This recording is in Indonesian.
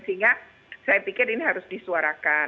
sehingga saya pikir ini harus disuarakan